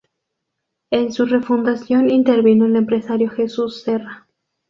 En su refundación intervino el empresario Jesús Serra.